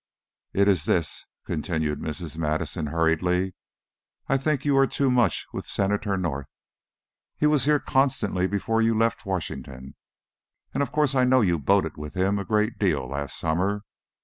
"It is this," continued Mrs. Madison, hurriedly. "I think you are too much with Senator North. He was here constantly before you left Washington, and of course I know you boated with him a great deal last summer.